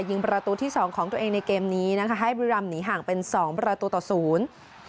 ยิงประตูที่สองของตัวเองในเกมนี้นะคะให้บุรีรำหนีห่างเป็นสองประตูต่อศูนย์